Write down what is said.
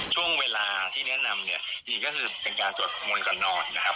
ช่วงเวลาที่แนะนำเนี่ยดีก็คือเป็นการสวดมนต์ก่อนนอนนะครับ